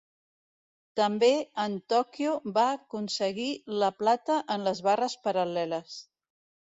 També en Tòquio va aconseguir la plata en les barres paral·leles.